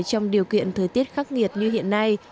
trong điều kiện thời tiết khắc nghiệt như hiện nay